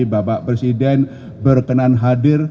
bapak presiden berkenan hadir